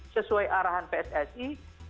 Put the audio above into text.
sesuai arahan pssi